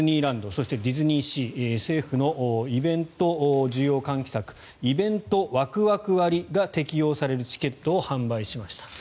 そして、ディズニーシー政府のイベント需要喚起策イベントワクワク割が適用されるチケットを販売。